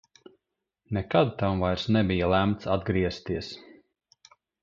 Nekad tam vairs nebija lemts atgriezties.